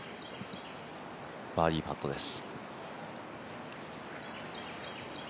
バーディーパットです。